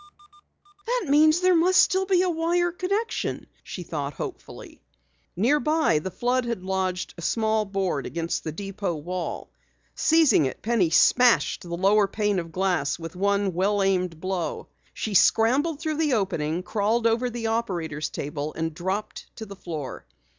"That means there still must be a wire connection!" she thought hopefully. Nearby, the flood had lodged a small board against the depot wall. Seizing it, Penny smashed the lower pane of glass with one well aimed blow. She scrambled through the opening, crawled over the operator's table and dropped to the floor.